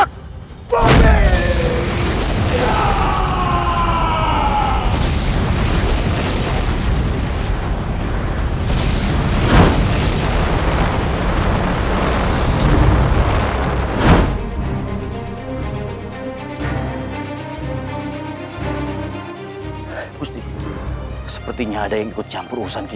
aku harus mencari tempat yang lebih aman